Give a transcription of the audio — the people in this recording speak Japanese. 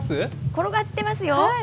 転がってますよ。